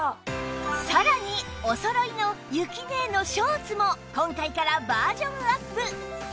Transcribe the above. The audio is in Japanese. さらにおそろいのゆきねえのショーツも今回からバージョンアップ！